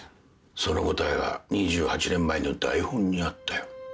その答えは２８年前の台本にあったよ。